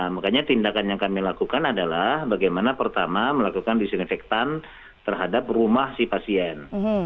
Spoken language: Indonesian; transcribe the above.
makanya tindakan yang kami lakukan adalah bagaimana pertama melakukan disinfektan terhadap rumah si pasien